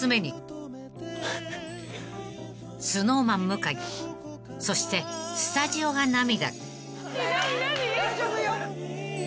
［ＳｎｏｗＭａｎ向井そしてスタジオが涙］